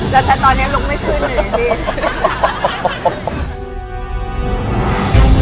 แต่ฉันตอนนี้ลุกไม่ขึ้นหรือดี